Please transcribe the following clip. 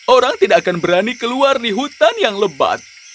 orang tidak akan berani keluar di hutan yang lebat